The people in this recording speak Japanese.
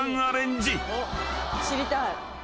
知りたい。